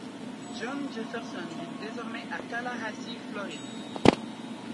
Jon Jefferson vit désormais à Tallahassee, Floride.